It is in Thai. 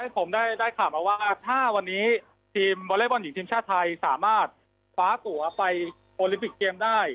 ผมได้ข่าวมาว่าถ้าวันนี้ทีมวอเล็กบอลหญิงทีมชาติไทยสามารถคว้าตัวไปโอลิมปิกเกมได้